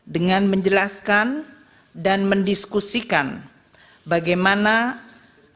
dengan menjelaskan dan mendiskusikan bagaimana apbn menjadi sarana gotong royong